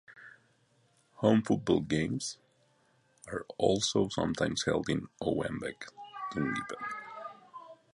Home football games are also sometimes held in Owenbeg, Dungiven.